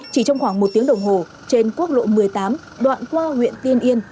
chỉ trong khoảng một tiếng đồng hồ trên quốc lộ một mươi tám đoạn qua huyện tiên yên